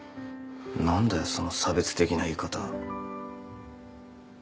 何だよその差別的な言い方。